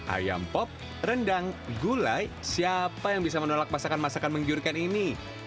ayam pop rendang gulai siapa yang bisa menolak masakan masakan menggiurkan ini